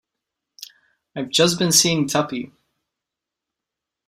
I've just been seeing Tuppy.